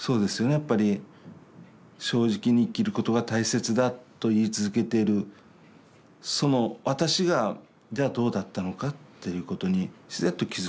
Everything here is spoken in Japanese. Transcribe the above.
やっぱり正直に生きることが大切だと言い続けているその私がではどうだったのかっていうことに自然と気付くわけです。